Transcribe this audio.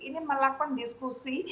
ini melakukan diskusi